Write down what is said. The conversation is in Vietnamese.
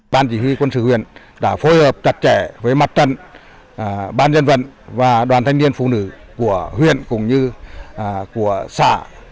ban chỉ huy quân sự huyện đã phối hợp chặt chẽ với mặt trận ban dân vận và đoàn thanh niên phụ nữ của huyện cũng như của xã